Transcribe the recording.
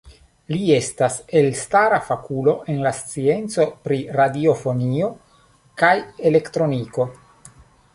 Li estas elstara fakulo en la scienco pri radiofonio kaj elektroniko.